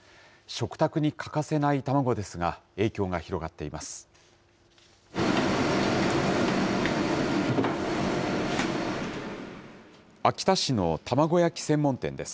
食卓に欠かせない卵ですが、影響が広がっています。